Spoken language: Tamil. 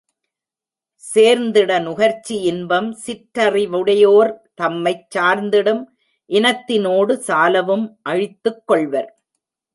சேர்ந்திட நுகர்ச்சி இன்பம், சிற்றறி வுடையோர், தம்மைச் சார்ந்திடும் இனத்தி னோடு சாலவும் அழித்துக் கொள்வர்.